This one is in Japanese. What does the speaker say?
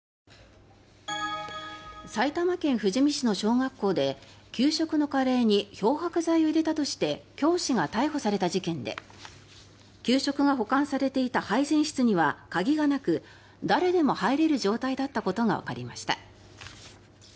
埼玉県富士見市の小学校で給食のカレーに漂白剤を入れたとして教師が逮捕された事件で給食が保管されていた配膳室には鍵がなく誰でも入れる状態だったことがわかりました。